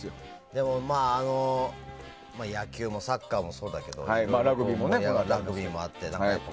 でもまあ野球もサッカーもそうだけどラグビーもあって。